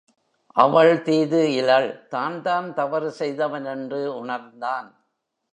அவள் தீது இலள் தான் தான் தவறுசெய்தவன் என்று உணர்ந்தான்.